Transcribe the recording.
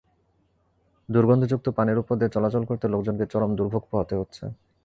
দুর্গন্ধযুক্ত পানির ওপর দিয়ে চলাচল করতে লোকজনকে চরম দুর্ভোগ পোহাতে হচ্ছে।